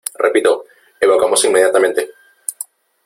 ¡ repito , evacuamos inmediatamente !